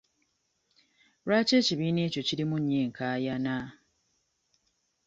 Lwaki ekibiina ekyo kirimu nnyo enkaayana.